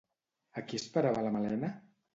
A qui esperava la Malena?